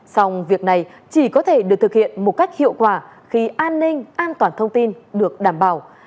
xong việc này chỉ có thể được thực hiện một cách hiệu quả khi an ninh an toàn thông tin được đảm bảo